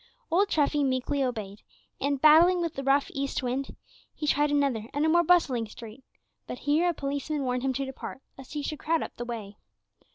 Old Treffy meekly obeyed, and, battling with the rough east wind, he tried another and a more bustling street; but here a policeman warned him to depart, lest he should crowd up the way.